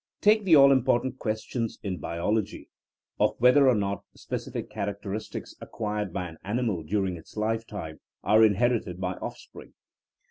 Take the all important questions in THDIKINa AS A SCIENCE 21 i biology of whether or not specific characteris tics acquired by an animal during its life time are inherited by offspring.